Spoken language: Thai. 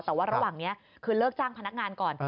แต่ว่าระหว่างนี้คือเลิกจ้างพนักงานก่อน